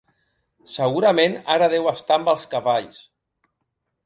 Segurament ara deu estar amb els cavalls.